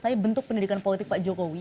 tapi bentuk pendidikan politik pak jokowi